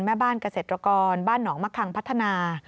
แม่บ้านเกษตรกรบ้านหนองมะคังพัฒนา